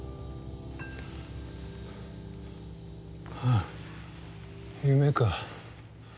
あっ夢か。